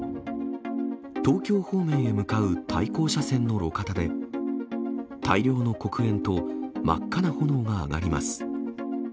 東京方面へ向かう対向車線の路肩で、大量の黒煙と真っ赤な炎が上がります。